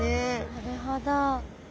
なるほど。